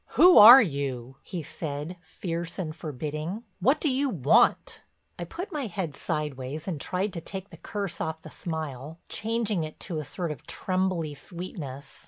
"Who are you?" he said, fierce and forbidding. "What do you want?" I put my head sideways, and tried to take the curse off the smile, changing it to a sort of trembly sweetness.